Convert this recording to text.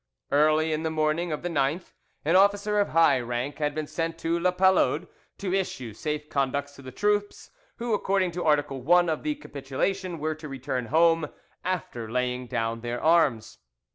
Early in the morning of the 9th an officer of high rank had been sent to La Palud to issue safe conducts to the troops, who according to Article I of the capitulation were to return home "after laying down their arms."